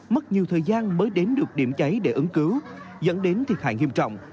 mất nhiều thời gian mới đến được điểm cháy để ứng cứu dẫn đến thiệt hại nghiêm trọng